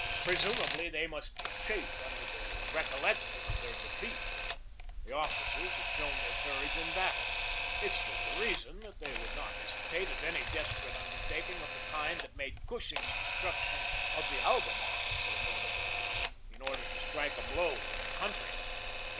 Presumably they must chafe under the recollection of their defeat. The officers had shown their courage in battle. It stood to reason that they would not hesitate at any desperate undertak ing of the kind that made Gushing' s destruction of AFTER THE BATTLE 243 the Albemarle so notable, in order to strike a blow for their country.